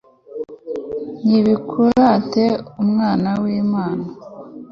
nibikurate mwana w'imana